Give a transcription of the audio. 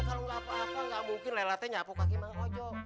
ya kalau gak apa apa gak mungkin lelatnya nyapu kaki mang ujo